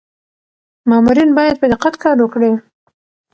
مامورین باید په دقت کار وکړي.